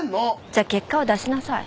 じゃあ結果を出しなさい。